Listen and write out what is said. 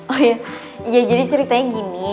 oh iya jadi ceritanya gini